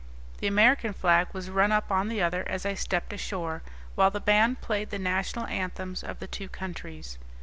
The American flag was run up on the other as I stepped ashore, while the band played the national anthems of the two countries.